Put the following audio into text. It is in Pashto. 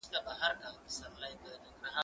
زه اوږده وخت چپنه پاکوم؟